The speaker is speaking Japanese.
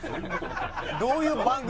どういう番組？